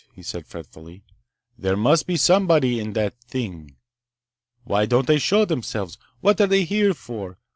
he said fretfully. "There must be somebody in that—thing. Why don't they show themselves? What are they here for?